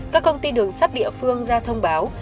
các công ty đường sắt địa phương ra thông báo